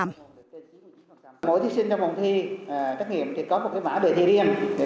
mỗi thí sinh trong một phòng thi trắc nghiệm thì có một cái mã đề thi riêng